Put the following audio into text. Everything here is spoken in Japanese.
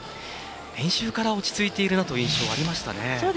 練習から落ち着いているなという印象ありましたね。